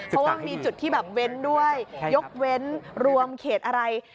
เพราะว่ามีจุดที่แบบเว้นด้วยยกเว้นรวมเขตอะไร